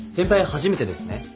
初めてですね。